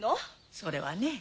それはね